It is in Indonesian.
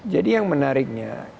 jadi yang menariknya